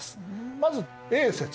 まずＡ説。